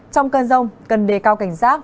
trong cơn rông cần đề cao cảnh giác